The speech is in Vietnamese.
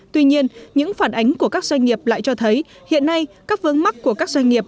tuy nhiên những phản ánh của các doanh nghiệp lại cho thấy hiện nay các vướng mắt của các doanh nghiệp